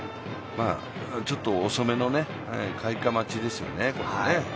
ちょっと遅めの開花待ちですよね。